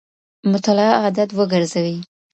مطالعه عادت وګرځوئ.